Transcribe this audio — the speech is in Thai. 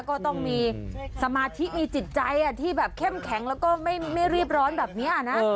ก็ต้องมีสมาธิมีจิตใจที่แบบเข้มแข็งแล้วก็ไม่รีบร้อนแบบนี้นะ